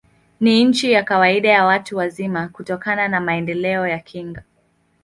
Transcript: Ni chini ya kawaida kwa watu wazima, kutokana na maendeleo ya kinga.